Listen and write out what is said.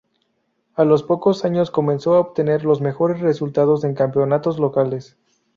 A los pocos años comenzó a obtener los mejores resultados en campeonatos locales.